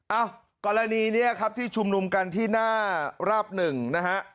เอ้ากรณีนี้ครับที่ชุมนุมกันที่หน้าราบหนึ่งนะฮะ